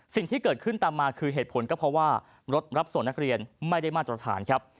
สิ่งที่เกิดขึ้นตามมาคือเหตุผลก็เพราะว่ารถรับส่งนักเรียนไม่ได้มาตรฐานครับ